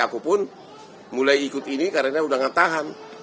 aku pun mulai ikut ini karena udah ngetahan